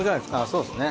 そうですね。